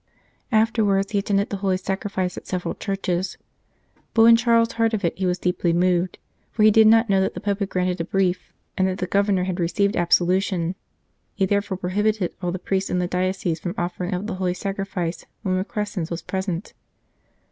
Afterwards he attended the Holy Sacrifice at several churches, but when Charles heard of it he was deeply moved, for he did not know that the Pope had granted a brief and that the Governor had received absolution. He therefore prohibited all the priests in the diocese from offering up the Holy Sacrifice when Requesens was present.